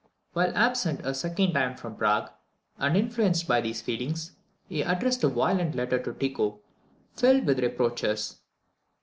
While absent a second time from Prague, and influenced by these feelings, he addressed a violent letter to Tycho, filled with reproaches.